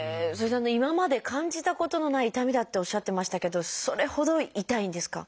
今まで感じたことのない痛みだっておっしゃってましたけどそれほど痛いんですか？